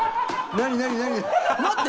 何何？